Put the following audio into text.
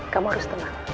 kamu harus tenang